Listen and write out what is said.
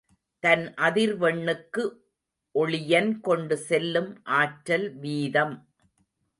தன் அதிர் வெண்ணுக்கு ஒளியன் கொண்டு செல்லும் ஆற்றல் வீதம்.